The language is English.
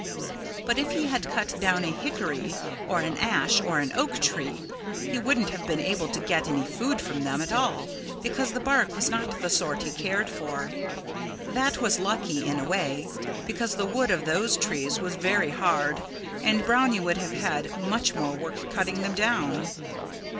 But if he had cut down a hickory or an ash or an oak tree he wouldn't have been able to get any food from them at all because the bark was not the sort he cared for. That was lucky, in a way, because the wood of those trees was very hard and Brownie would have had much more work cutting them down.